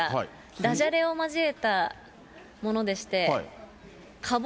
ダジャレを交えたものでして。